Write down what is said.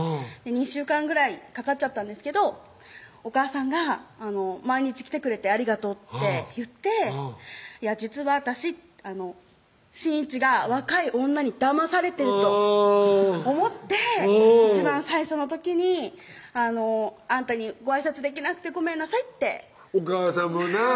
２週間ぐらいかかっちゃったんですけどおかあさんが「毎日来てくれてありがとう」って言って「実は私真一が若い女にだまされてると想って一番最初の時にあんたにご挨拶できなくてごめんなさい」ってお母さんもなぁ